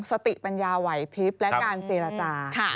สติปัญญาไหวพลิบและการเจรจา